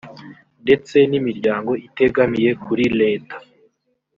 ndetse n imiryango itegamiye kuri leta